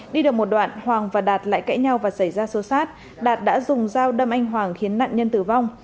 đi được một đoạn hoàng và đạt lại cãi nhau và xảy ra xô xát đạt đã dùng dao đâm anh hoàng khiến nạn nhân tử vong